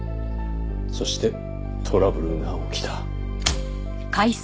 そしてトラブルが起きた。